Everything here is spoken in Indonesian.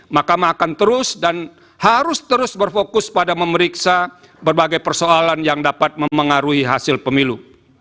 makamah akan terus dan harus terus berfokus pada memeriksa berbagai persoalan yang dapat memengaruhi hasil pemilu